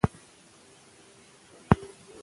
میرویس نیکه د یوه خپلواک دولت اساس کېښود.